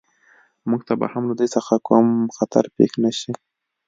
موږ ته به هم له دوی څخه کوم خطر پېښ نه شي